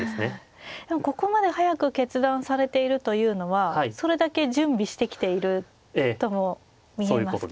ここまで早く決断されているというのはそれだけ準備してきているとも見えますか。